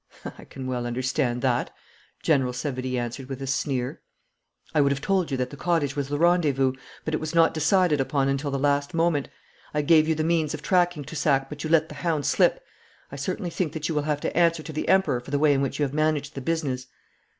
'I can well understand that,' General Savary answered with a sneer. 'I would have told you that the cottage was the rendezvous, but it was not decided upon until the last moment. I gave you the means of tracking Toussac, but you let the hound slip. I certainly think that you will have to answer to the Emperor for the way in which you have managed the business.'